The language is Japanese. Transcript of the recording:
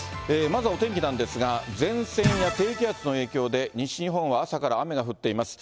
まずはお天気なんですが、前線や低気圧の影響で、西日本は朝から雨が降っています。